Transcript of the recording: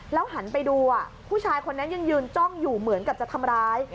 หันไปดูผู้ชายคนนั้นยังยืนจ้องอยู่เหมือนกับจะทำร้าย